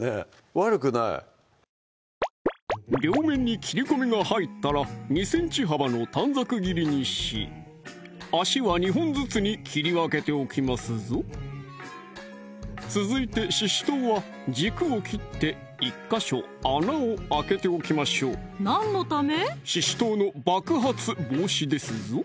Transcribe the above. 悪くない両面に切り込みが入ったら２ｃｍ幅の短冊切りにし足は２本ずつに切り分けておきますぞ続いてししとうは軸を切って１ヵ所穴を開けておきましょう何のため？